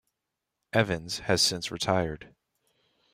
Evans has since retired.